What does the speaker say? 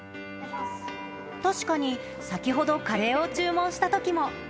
確かに、先ほどカレーを注文したときも。